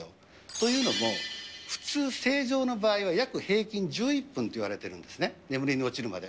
というのも、普通、正常の場合は約平均１１分といわれているんですね、眠りに落ちるまで。